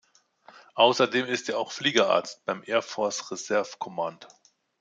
Außerdem ist er auch Fliegerarzt beim Air Force Reserve Command.